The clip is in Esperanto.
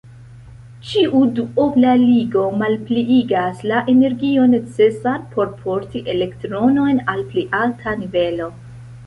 Ĉiu duobla ligo malpliigas la energion necesan por porti elektronojn al pli alta nivelo.